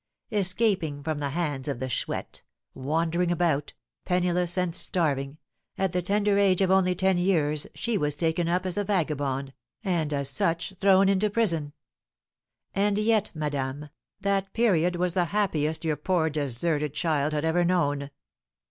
Escaping from the hands of the Chouette, wandering about, penniless and starving, at the tender age of only ten years she was taken up as a vagabond, and as such thrown into prison. And yet, madame, that period was the happiest your poor deserted child had ever known.